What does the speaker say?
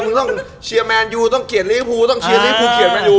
มึงต้องเชียร์แมนยูต้องเชียร์ลีฟูเชียร์ลีฟูเชียร์แมนยู